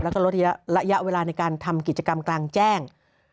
แล้วก็ลดระยะเวลาในการทำกิจกรรมกลางแจ้ง